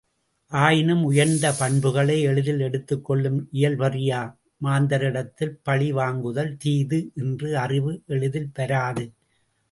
ஆயினும் உயர்ந்த பண்புகளை எளிதில் எடுத்துக்கொள்ளும் இயல்பறியா மாந்தரிடத்தில் பழி வாங்குதல் தீது என்ற அறிவு எளிதில் வராது.